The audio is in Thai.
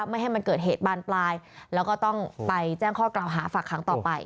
ไม่ให้มันเกิดเหตุบานปลายแล้วก็ต้องไปแจ้งข้อกล่าวหาฝากขังต่อไป